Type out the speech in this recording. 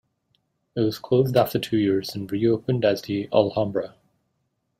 It was closed after two years and reopened as the Alhambra.